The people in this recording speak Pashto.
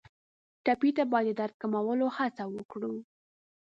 ټپي ته باید د درد کمولو هڅه وکړو.